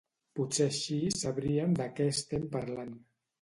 Potser així sabríem de què estem parlant.